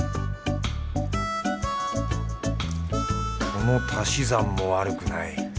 この足し算も悪くない。